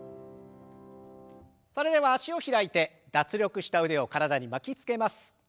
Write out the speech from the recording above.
それでは脚を開いて脱力した腕を体に巻きつけます。